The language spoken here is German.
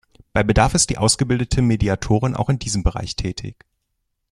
Bei Bedarf ist die ausgebildete Mediatorin auch in diesem Bereich tätig.